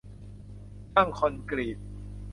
ช่างคอนกรีต